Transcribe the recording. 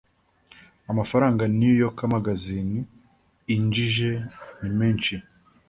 Amafaranga new yorker magazine injije nimenci